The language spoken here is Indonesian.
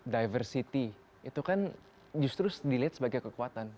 diversity itu kan justru dilihat sebagai kekuatan